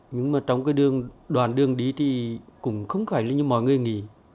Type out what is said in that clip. nhưng mà trong cái đoàn đường đi thì cũng không phải là như mọi người nghĩ